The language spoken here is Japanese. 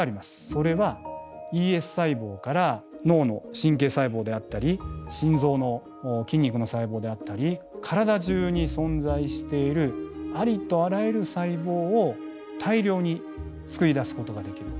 それはＥＳ細胞から脳の神経細胞であったり心臓の筋肉の細胞であったり体中に存在しているありとあらゆる細胞を大量につくり出すことができる。